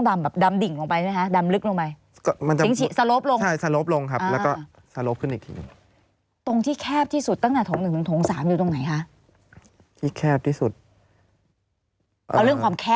ความแคบความแคบหรือแคบหมดมันมันก็แคบหมดมันแคบเป็นระยะใช่ไหม